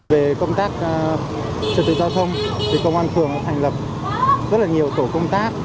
về công tác trật tự giao thông thì công an phường đã thành lập rất là nhiều tổ công tác